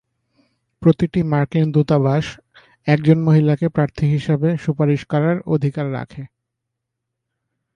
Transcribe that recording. প্রতিটি মার্কিন দূতাবাস একজন মহিলাকে প্রার্থী হিসেবে সুপারিশ করার অধিকার রাখে।